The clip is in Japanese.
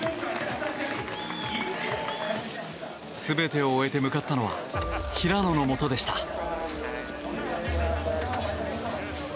全てを終えて向かったのは平野のもとでした。